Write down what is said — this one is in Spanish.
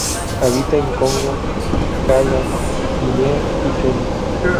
Habita en Congo, Ghana, Guinea y Kenia.